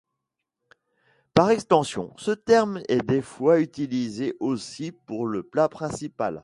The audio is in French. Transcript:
Par extension, ce terme est des fois utilisé aussi pour le plat principal.